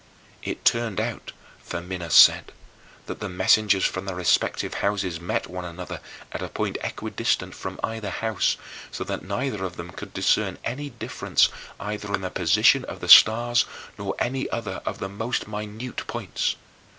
It turned out, Firminus said, that the messengers from the respective houses met one another at a point equidistant from either house, so that neither of them could discern any difference either in the position of the stars or any other of the most minute points.